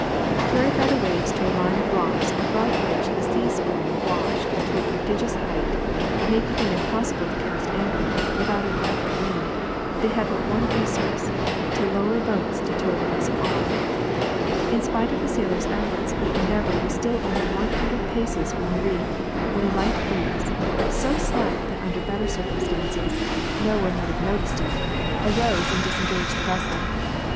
Carried by the waves to a line of rocks above which the sea spray washed to a prodigious height, making it impossible to cast anchor; without a breath of wind, they had but one resource, to lower boats to tow the vessel off. In spite of the sailors' efforts the Endeavour was still only 100 paces from the reef, when a light breeze, so slight that under better circumstances no one would have noticed it, arose and disengaged the vessel.